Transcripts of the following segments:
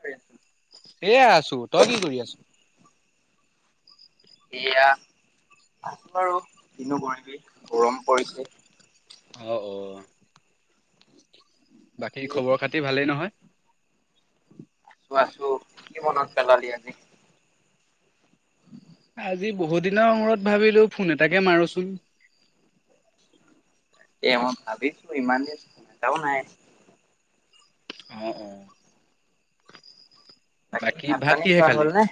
হয়। এয়া আছোঁ। তই কি কৰি আছ? সেয়া, আছোঁ আৰু, কিনো কৰিবি, গৰম পৰিছে। অ- অ, বাকী খবৰ খাতি ভালেই নহয়? অ, আছোঁ, কি মনত পেলালি আজি? আজি বহুত দিনৰ মূৰত ভাবিলোঁ ফোন এটাকে মাৰোঁচোন। এ মই ভাবিছোঁ, ইমান দিন ফোন এটাও নাই। অ- অ, বাকী ভাত পানী কিহে খোৱা খালি? হ'ল নে?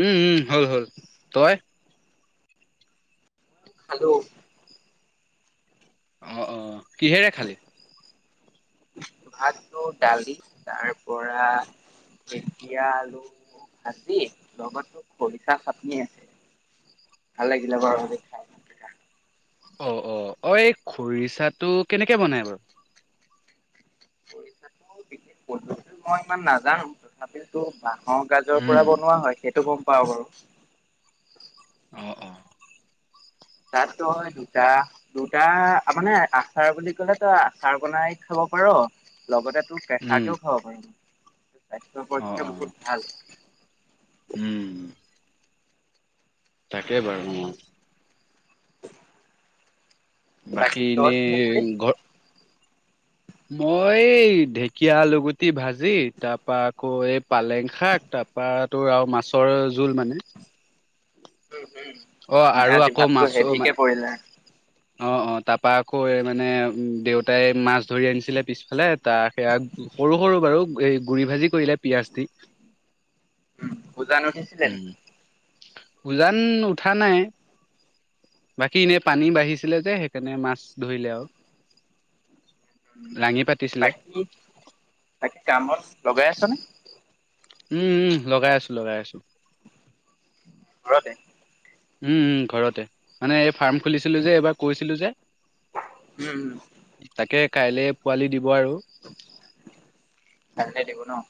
উম- উম হ'ল- হ'ল, তই? খালোঁ। অ- অ, কিহেৰে খালি? ভাতটো দালি, তাৰ পৰা জিকা, আলু ভাজি, লগত খৰিচা চাটনি আছে। ভাল লাগিলে বাৰু আজি খাই। অ', অ', অ' এই খৰিচাটো কেনেকে বনাই বাৰু। খৰিচাতো বিশেষ বন্ধু মই ইমান নাজানোঁ। তথাপিতো- অ' গাজৰ উম পৰা বনোৱা হয় সেইটো গ'ম পাওঁ বাৰু। অ', অ'। গাজ নহয় দুটা। দুটা মানে, আচাৰ বুলি ক'লে তই আচাৰ বনাই খাব পাৰ লগতে তোৰ উম কেচাকেও খাব পাৰি। স্বাস্থ্য অ অ পক্ষেও বহুত ভাল। উম'। তাকেই, বাৰু মই [unintelligible] বাকী তই কিহে খালি এনেই ঘৰত - মই এই ঢেকীয়া আলুগুটি ভাজি তাৰপা আকৌ' এই পালেং শাক ত' তাৰপাটো আৰু মাছৰ জোল মানে। উম', উম'। অ মানে আৰু আজি আকৌ ভাতটো মাছো হেভিকে মানে পৰিলে? অ', অ' তাৰ পৰা আকৌ এই মানে উ দেউতাই মাছ ছ ধৰি আনিছিলে পিছফালে, তাৰ সেইয়া সৰু সৰু বাৰু এই গুৰি ভাজি কৰিলে পিয়াঁজ দি। উম', উজান উঠিছিলে নেকি? উজান উঠা নাই। বাকী এনেই পানী বাঢ়িছিলে যে সেইকাৰণে মাছ ধৰিলে আৰু। লাঙি পাতিছিলে বাকী, বাকী তোৰ কামত লগাই আছনে? উম, উম' লগাই আছোঁ লগাই আছোঁ। ঘৰতে? উম', উম ঘৰতে, মানে এই ফাৰ্ম খুলিছিলোঁ যে এইবাৰ কৈছিলোঁ যে। উম উম, তাকে কাইলে পোৱালি দিব আৰু। কালিলৈ দিব ন?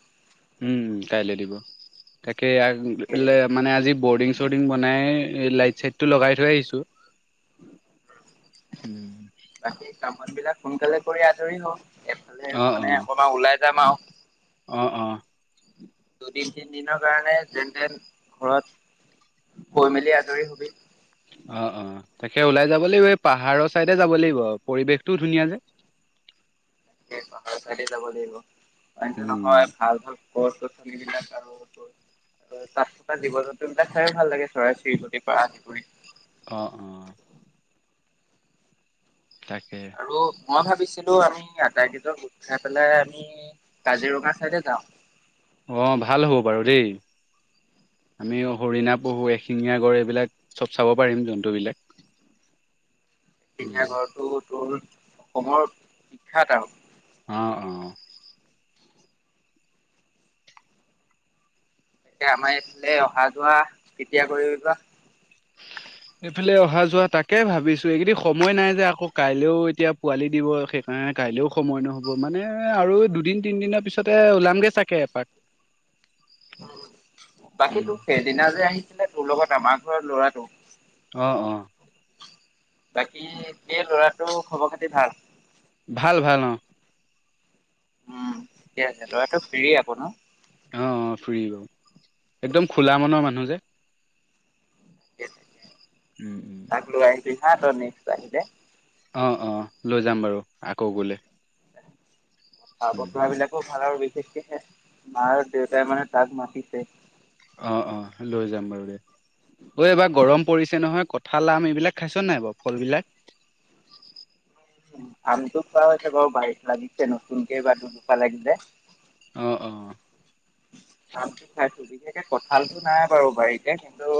উম, ' কাইলে দিব, তাকেই তাকে মানে আজি বৰ্ডিং - বৰ্ডং বনাই লাইট চাইট টো লগাই থৈ আহিছোঁ। বাকী কাম বন বিলাক সোনকালে কৰি আজৰি হ। এফালে অ অ মানে অকনমান ওলাই যাম আৰু। অ', অ'- দুদিন তিন দিনৰ কাৰণে যেনতেন ঘৰত কৈ মেলি আজৰি হবি। অ', অ' তাকে ওলাই যাব লাগিব। এই পাহাৰৰ চাইডে যাব লাগিব পৰিৱেশটোও ধুনীয়া যে। তাকে, পাহাৰ চাইদে যাব লাগিব অইনতো উম নহয় ভাল ভাল ক থ ন কাৰ [unintelligible] তাত থকা জীৱ জন্তু বিলাক চাইয়ো ভাল লাগে চৰাই চৰিকতি পাৰ আদি কৰি। অ', অ'- তাকে। আৰু মই ভাবিছিলোঁ আমি আটাইকেইজনক গোট খাই পেলাই আমি কাজিৰঙা চাইডে যাওঁ। অঁ ভাল হ'ব বাৰু দেই। আমি হৰিণা পহু এশিঙীয়া গড় এইবিলাক চব চাব পাৰিম জন্তু বিলাক। এঙিয়া গড়টোৰ তোৰ অসমৰ বিখ্যাত আৰু। অ', অ'- এতিয়া আমাৰ এইফালে অহা যোৱা কেতিয়া কৰিবিবা? এইফালে অহা যোৱা তাকে ভাবিছোঁ, এইকেইদিন সময় নাই যে আকৌ'। কাইলেও এতিয়া পোৱালি দিব, সেইকাৰণে কাইলেও সময় নহ'ব মানে আৰু দুদিন তিন দিনৰ পিছত তোৰ ওচৰতে ওলাম গে চাগে এপাক। [unintelligible] বাকী উম তোৰ সেইদিনা যে আহিছিলে তোৰ লগত আমাৰ ঘৰত ল'ৰাটো অ' অ'। বাকী সেই ল'ৰাটো খবৰ খাতি ভাল। ভাল ভাল অ'। উম, ঠিকে আছে। ল'ৰাটো ফ্ৰী অ'ক ন। অ' ফ্ৰী বাৰু, একদম খোলা মনৰ মানুহ যে। কেইট উম। উম তাক লৈ আহিব হা তই নেক্সট আহিলে। অ' অ' লৈ যাম বাৰু আকৌ গ'লে। কথা বতৰা বিলাকো ভাল আৰু বিশেষকেহে মা আৰু দেউতাই মানে তাক মাতিছে। অ' অ' লৈ যাম বাৰু দিয়া। ঐ এইবাৰ গৰম পৰিছে নহয়, কঁঠাল আম এইবিলাক খাইছোঁ নাই বাৰু ফল বিলাক। আমটোো খোৱা হৈছে বাৰু বাৰীত লাগিছে নতুনকে বা দু দুোপা লাগি যায়। আমটো খোৱা হৈছে বাৰু বাৰীত লাগিছে নতুনকে বা দু জোপা লাগিলে। অ' অ'। আামটো খাইছোঁ। বিশেষকে কঁঠালতো নাই বাৰু বাৰীতে কিন্তু।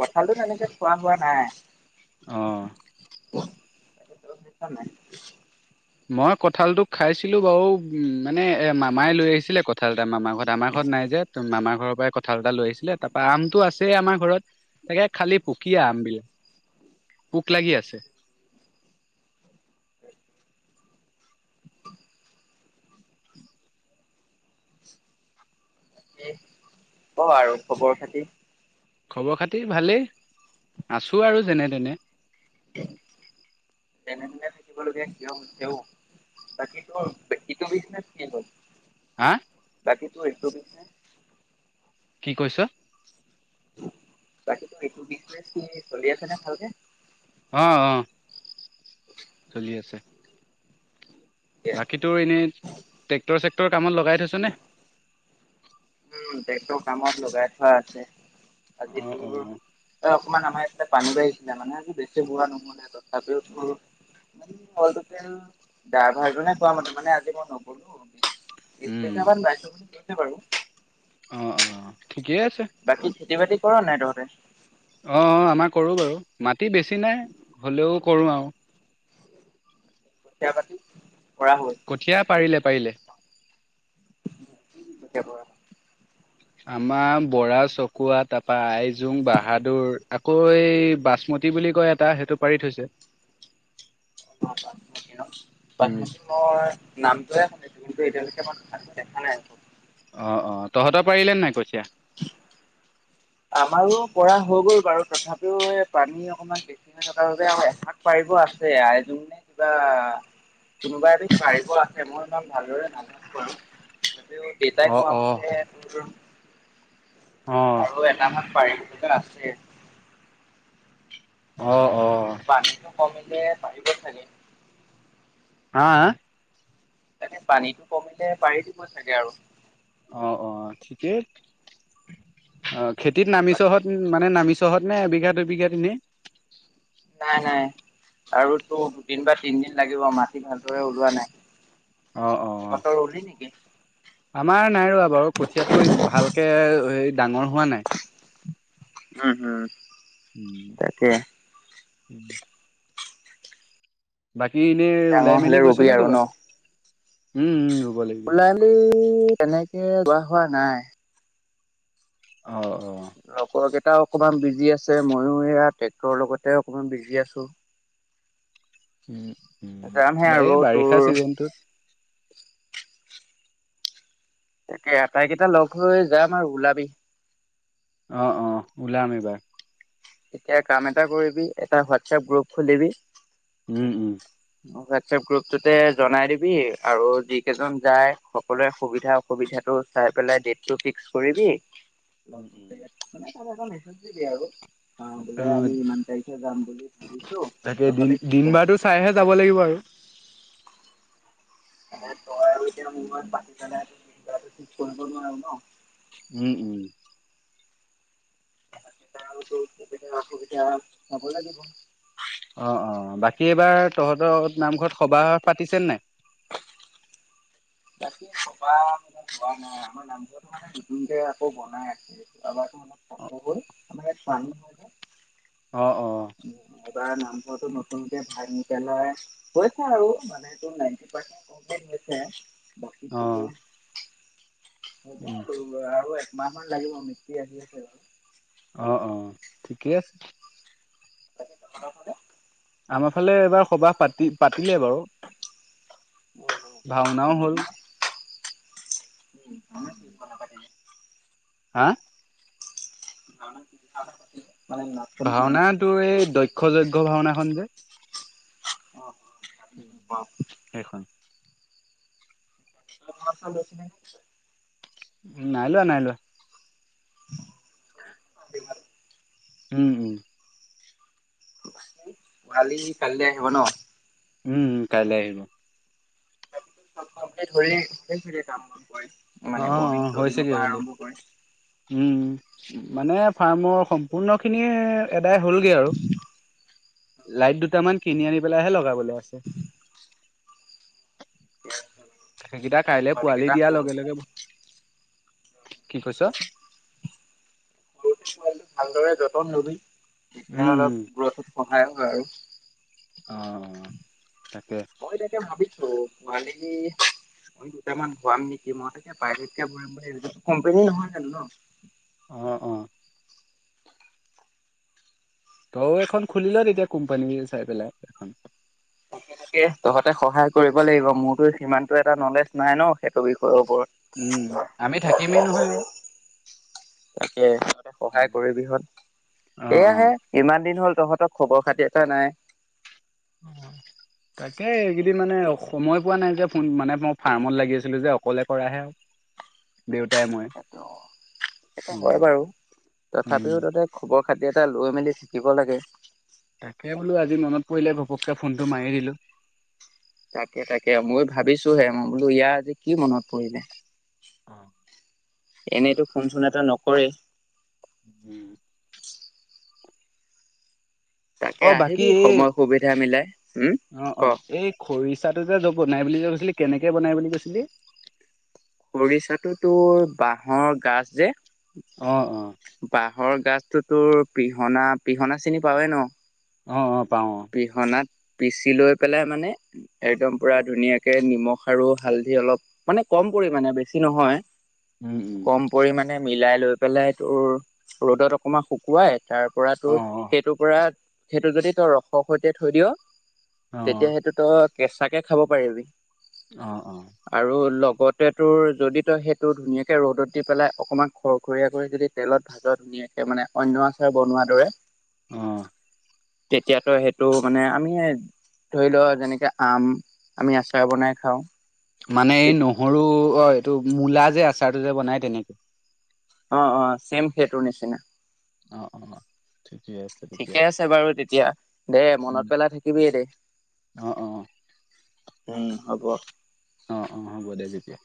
কঁঠালতো তেনেকে খোৱা হোৱা নাই। অ'। তই খাইছোঁ নে নাই? মই কঁঠাল টোক খাইছিলোঁ বাৰু মানে এই মামাই লৈ আহিছিলে কঠ কঁঠাল এটা মামাৰ ঘৰত আমাৰ ঘৰত নাই যে তোৰ মামাৰ ঘৰৰ পৰা ক কঁঠাল এটা লৈ আহিছিলে। তাৰ পৰা আমটো আছে আমাৰ ঘৰত, তাকে খালি পুকীয়া আম বিলাক। পোক লাগি আছে। কি ক'ৰ আৰু খবৰ খাতি? খবৰ খাতি ভালেই আছোঁ আৰু যেনে তেনে। যেনে তেনে থাকিব লাগিয়া কিয় হৈছে ঔ। বাকীটো সিটো ব্ৰিজনেছ কি হ'ল। হা বাকী তোৰ এইটো ব্ৰিজনেছ। কি কৈছোঁ? বাকী টোৰ এইটো ব্ৰিজনেছ কি চলি আছে নে ভালকে? অ' অ'। চলি আছে। বাকী তোৰ এনেই ট্ৰেক্টৰ চেক্টৰ কামত লগাই থৈছোঁ নে। উম, ট্ৰেক্টৰ কামত লগাই থোৱা আছে, অ', আজিতো। অ'। এই অকণমান ইফালে পানী বাঢ়িছিলে। মানে আজি বেছি বোৱা নহ'লে তথাপিওঁ তোৰ অল টোতেল ডাইৰভাৰ জনে কোৱা মতে মানে আজি মই নগলোঁ। বিশ উম বিঘা মান বাইছোঁ গৈছে বাৰু। অ' অ' ঠিকেই আছে। বাকী খেতি বাতি কৰোঁ নে তহঁতে? অ' আমাৰ কৰোঁ বাৰু মাটি বেছি নাই, হ'লেও কৰোঁ আৰু কঠিয়া পাতি পৰা হ'ল। কঠিয়া পাৰিলে পাৰিলে। [unintelligible] ৰা। আমাৰ বৰা, চকুৱা, তাপা আইজোং, বাহাদুৰ আকৌ এই বাচমতি তি বুলি কয়, এটা সেইটো পাৰি থৈছে। অ, [unintelligible] উম নামটোহে শুনিছো, কিন্তু এতিয়ালৈকে মই ভালকৈ দেখা নাই [unintelligible] অঁ, অঁ, তহঁতৰ পাৰিলে নাই কঠীয়া? আমাৰো পৰা হৈ গ'ল বাৰু, তথাপিও এই পানী অকমাণ বে [unintelligible] আৰু এভাগ পাৰিব আছে আইজোং নে কিবা। কোনোবা এবিধ পাৰিব আছে, মই ইমান ভালদৰে নাজানো বাৰু। তথাপিও পিতাই অ কোৱা অ মতে, মোৰো অঁ। আও এটা মান পাৰি থকা আছে। অ, অ। পানীটো কমিলে পাৰিব চাগে। আঁ, আঁ? তাকে, পানীতটো কমিলে পাৰি দিব চাগে আৰু। অ, অ ঠিকেই। অ, খেতিত নামিছহঁত, মানে নামিছহঁত নে এবিঘা দুবিঘাত ইনেই? নাই, নাই, আৰু টো দুদিন বা তিনদিন লাগিব মাটি ভালদৰে ওলোৱা নাই। অ, অ তহঁতৰ ৰুলি নেকি? আমাৰ নাই ৰোৱা তো আৰু কঠিয়াটো এই ভালকে, হেৰি ডাঙৰ হোৱা নাই। উম, উম। উম, তাকে। উম। বাকী ইনেই ডাঙৰ হ'লে ওলাই-মেলি গৈছ ৰুবি নে আৰু ন? কৰ'বাত? উম, উম ৰুব লাগিব। ওলাই- মেলি তেনেকে, যোৱা হোৱা নাই। অ। লগৰ কেইটাও অকমান বিজি আছে, ময়ো সেয়া ট্ৰেক্টৰৰ লগতে অকমান বিজি আছো। উম, উম। যামহে আৰু এই বাৰিষা তোৰ চিজনটোত তাকে, আটাইকেইটা লগ হৈ যাম আৰু, ওলাবি। অঁ, অঁ, ওলাম এইবাৰ। এতিয়া কাম এটা কৰিবি, এটা হোৱাটছাপ গ্ৰুপ খুলিবি উম, উম। হোৱাটছাপ গ্ৰুপটোতে জনাই দিবি। আৰু যি কেইজন যায় সকলোৱৰে সুবিধা সুবিধাটো চাই পেলাই ডেটটো ফিক্স কৰিবি লগ উম উম। মানে, তোমাৰ তাত এটা মেছেজ দি দিয়া আক। আ, বোলে অঁ আমি ইমান তাৰিখে যাম বুলি ভাবিছো, তাকে দিন তহঁতে কি দিন ক? বাৰটো চাইহে যাব লাগিব আৰু। অকল তই আৰু এতিয়া মোৰ [unintelligible] পাতি পেনাই ঠিক কৰিব নোৱাৰো ন। উম, উম। তাৰোটো সুবিধা-অসুবিধা চাব লাগিব। অ, অ, বাকী এইবাৰ তহঁতৰ নামঘৰত সবাহ পাতিছেন নাই? বাকী সবাহ মানে পতা নাই, আমাৰ নামঘৰতো মানে নতুনকে আকৌ বনাই আছে। আমাৰটো অলপ চাপৰ হ'ল, আমাৰ ইয়াত পানী হয় অ, অ। এইবাৰ নামঘৰটো নতুনকে ভাঙি পেলাই হৈছে আৰু, মানে এইটো নাইণ্টি পাৰ্চন্ত কমপ্লিট হৈছে। বাকীটো অ'। হ'ব আৰু, আৰু একমাহ মান লাগিব, মিস্ত্ৰী আহি আছে বাৰু। অ', অ', ঠিকেই আছে। [unintelligible] আমাৰ ফালে এবাৰ সবাহ পাতি, পাতিলে বাৰু। অ', অ', ভাওনাও হ'ল। আমাৰ [inaudible] হা? [inaudible] ভাওনা পাতিলে? ভাওনা টো এই দক্ষ যজ্ঞ ভাওনাখন যে। অ'। সেইখন। [inaudible] নাই লোৱা, নাই লোৱা। [inaudible] উম, উম। কালি, কাইলে আহিব ন'? উম, উম, কাইলে আহিব। [unintelligible] মানে বৰদিন চৰদিন অ অ পৰা হৈছেগে আৰম্ভ হ'লে কৰি। উম, মানে ফাৰ্মৰ সম্পূৰ্ণ খিনিয়ে এদাই হ'লগে আৰু। লাইট দুটামান কিনি আনি পেলাইহে লগাবলৈ লাগিব। সেইকিটা কাইলে পোৱালি কেইটা দিয়া সৰু লগে-লগে, কি কৈছ? [unintelligible] ভালদৰে যতন লবি। তেতিয়া উম অলপ উম গ্ৰষ্ঠত সহায় হয় আৰু। অ', অ', তাকে। মই তাকে ভাবিছোঁ, মানে কি আমি দুটা মান ভৰাম নিকি মই, প্ৰাইভেট কে ভৰাম বুলি ভাবিছোঁ, কোম্পানী নহয় জানোঁ ন'। অ', অ'। তইও এখন খুলি ল' তেতিয়া কোম্পানী চাই পেলাই, এখন। তাকে, তাকে, তহঁতে সহায় কৰিব লাগিব, মোৰতো সিমানতটো এটা নলেজ নাই ন', সেইটো বিষয়ৰ ওপৰত। উম, আমি থাকিমেই নহয়। তাকে, তহঁতে সহায় কৰিবি হয়, অ এয়া অ হে। ইমান দিন হ'ল তহঁতৰ খবৰ খাতি এটা নাই। অ'। তাকে, এইকেইদিন মানে সময় পোৱা নাই যে, ফোন মানে মই ফাৰ্মত লাগি আছিলোঁ যে, অকলে কৰাহে আৰু। দেউতাই মই হেইটো উম হয় বাৰু, উম তথাপিও তাতে খবৰ-খাতি এটা লৈ মেলি শিকিব লাগে। তাকে বোলো, আজি মনত পৰিলে ভপককে ফোনটো মাৰি দিলোঁ। তাকে, তাকে, মই ভাবিছোঁহে, মই বোলো ইয়াৰ আজি কি মনত পৰিলে। এনেইটো ফোন-চোন এটা নকৰে। উম। তাকে অ', আহিবি বাকী, সময় সুবিধা মিলাই উম। অ', ক অ', এই খৰিচাটো যে য বনাই বুলি কৈছিলি, কেনেকে বনাই বুলি কৈছিলি? খৰিচাটো তোৰ বাঁহৰ গাজ যে অ‌ অ বাঁহৰ গাজতো তোৰ পিহনা, পিহনা চিনি পাওৱে ন? অ অ পাওঁ অ পিহনাত পিচি লৈ পেলাই মানে একদম পুৰা ধুনীয়াকে নিমখ আৰু হালধি অলপ মানে কম পৰিমাণে বেছি নহয় উম উম কম পৰিমাণে মিলাই লৈ পেলাই, তোৰ ৰ'দত অকণমান শুকুৱাই তাৰপৰা অ তোৰ সেইটোৰ পৰা, সেইটো যদি তই ৰসৰ সৈতে থৈ দিয় অ তেতিয়া সেইটো তই কেঁচাকে খাব পাৰিবি। অ অ আৰু লগত সেইটোৰ যদি তই সেইটো ধুনীয়াকৈ ৰ'দত দি পেলাই অকণমান খৰখৰীয়া কৰি যদি তেলত ভাজৰ ধুনীয়াকে, মানে অন্য আচাৰ বনোৱা দৰে। অ তেতিয়াতো সেইটো মানে আমি ধৰি ল, যেনেকে আম আমি আচাৰ বনাই খাও। মানে এই নহৰু, অ'এইটো মূলা যে আচাৰটো যে বনাই তেনেকে। অ অ ছেম সেইটোৰ নিচিনা। অ অ ঠিকে আছে তেতিয়া ঠিকে আছে বাৰু তেতিয়া দেই উম মনত পেলাই থাকিবিয়ে দেই। অ অ উম হ'ব। অ অ হ'ব দে তেতিয়া।